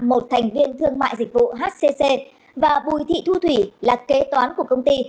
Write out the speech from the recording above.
một thành viên thương mại dịch vụ hcc và bùi thị thu thủy là kế toán của công ty